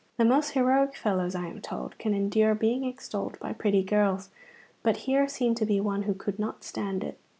The most heroic fellows, I am told, can endure being extolled by pretty girls, but here seemed to be one who could not stand it.